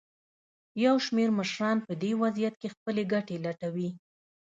یو شمېر مشران په دې وضعیت کې خپلې ګټې لټوي.